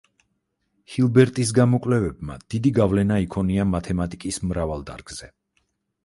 ჰილბერტის გამოკვლევებმა დიდი გავლენა იქონია მათემატიკის მრავალ დარგზე.